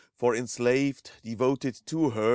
For enslaved, devoted to her.